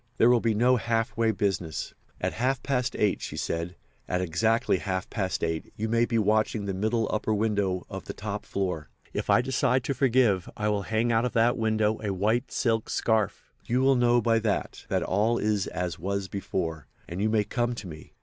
There will be no half way business. At half past eight,' she said, 'at exactly half past eight you may be watching the middle upper window of the top floor. If I decide to forgive I will hang out of that window a white silk scarf. You will know by that that all is as was before, and you may come to me.